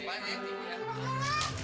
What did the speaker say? pak karam ada apaan